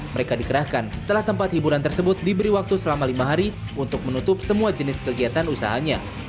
mereka dikerahkan setelah tempat hiburan tersebut diberi waktu selama lima hari untuk menutup semua jenis kegiatan usahanya